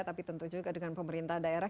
tapi tentu juga dengan pemerintah daerah